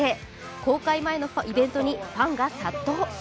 公開前のイベントにファンが殺到。